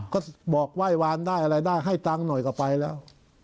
ก็บอกไหว้วานได้อะไรได้ให้ตังค์หน่อยก็ไปแล้ว